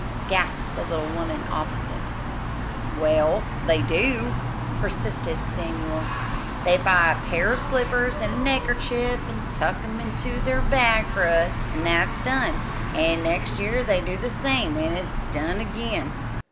gasped the little woman opposite. "Well, they do," persisted Samuel. "They buy a pair o' slippers an' a neckerchief, an' tuck 'em into their bag for us an' that's done; an' next year they do the same an' it's done again.